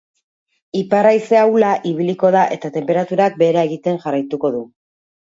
Ipar-haize ahula ibiliko da eta tenperaturak behera egiten jarraituko du.